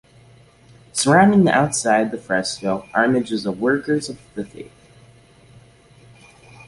Surrounding the outside the fresco are images of workers of the faith.